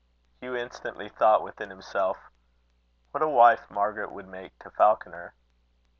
Hugh instantly thought within himself: "What a wife Margaret would make to Falconer!"